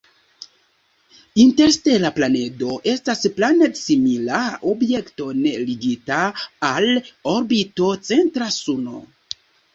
Interstela planedo estas planed-simila objekto ne ligita al orbito-centra suno.